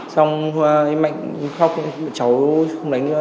xong em mạnh khóc cháu không đánh nữa